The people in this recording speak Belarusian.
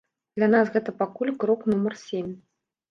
Для нас гэта пакуль крок нумар сем.